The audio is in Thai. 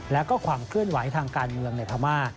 และก็ความเคลื่อนไหวทางการเมืองในพม่า